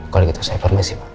kalau gitu saya informasi pak